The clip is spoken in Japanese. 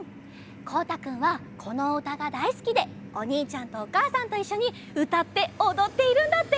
こうたくんはこのうたがだいすきでおにいちゃんとおかあさんといっしょにうたっておどっているんだって！